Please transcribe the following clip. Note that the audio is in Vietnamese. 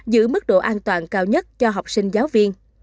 giữ mức độ an toàn cao nhất cho học sinh giáo viên